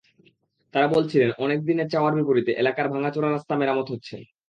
তাঁরা বলছিলেন, অনেক দিনের চাওয়ার বিপরীতে এলাকার ভাঙাচোরা রাস্তা মেরামত হচ্ছে।